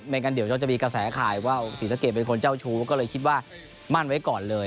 งั้นเดี๋ยวจะมีกระแสข่าวว่าศรีสะเกดเป็นคนเจ้าชู้ก็เลยคิดว่ามั่นไว้ก่อนเลย